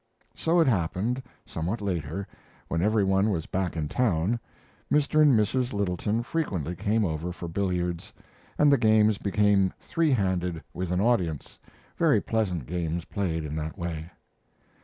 So it happened, somewhat later, when every one was back in town, Mr. and Mrs. Littleton frequently came over for billiards, and the games became three handed with an audience very pleasant games played in that way.